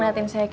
nah battle nanti